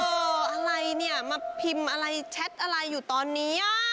อะไรเนี่ยมาพิมพ์อะไรแชทอะไรอยู่ตอนนี้